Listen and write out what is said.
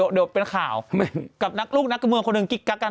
ดูเป็นข่าวกับลูกนักกรรมนักมืองคนหนึ่งกิ๊กกับกัน